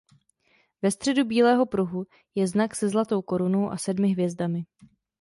Ve středu bílého pruhu je znak se zlatou korunou a sedmi hvězdami.